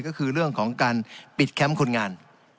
ก็คือเรื่องของการปิดแคมป์คนงาน